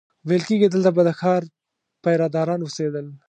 ویل کېږي دلته به د ښار پیره داران اوسېدل.